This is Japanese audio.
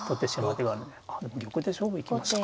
あでも玉で勝負行きましたか。